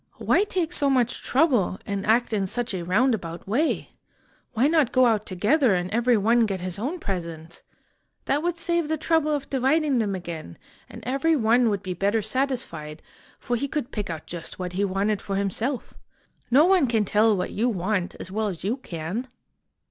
Why take so much trouble, and act in such a round IN THE GREAT WALLED COUNTRY about way? Why not go out together, and every one get his own presents? That would save the trouble of dividing them again, and every one would be better satisfied, for he could pick out just what he wanted for himself. No one can tell what you want as well as you can.